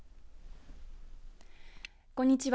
こんにちは。